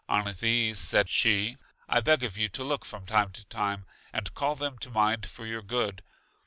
On these, said she, I beg of you to look from time to time, and call them to mind for your good.